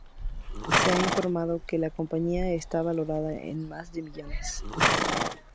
Se ha informado de que la compañía está valorada en más de millones.